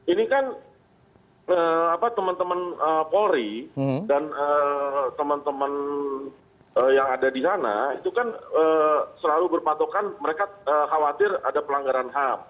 ini kan teman teman polri dan teman teman yang ada di sana itu kan selalu berpatokan mereka khawatir ada pelanggaran ham